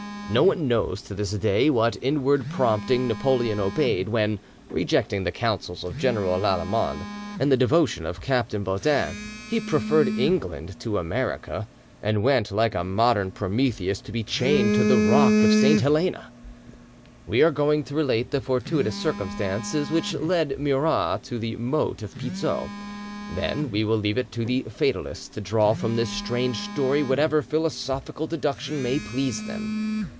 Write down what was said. No one knows to this day what inward prompting Napoleon obeyed when, rejecting the counsels of General Lallemande and the devotion of Captain Bodin, he preferred England to America, and went like a modern Prometheus to be chained to the rock of St. Helena. We are going to relate the fortuitous circumstance which led Murat to the moat of Pizzo, then we will leave it to fatalists to draw from this strange story whatever philosophical deduction may please them.